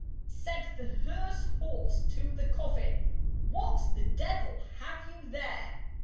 Said the hearse horse to the coffin, "What the devil have you there?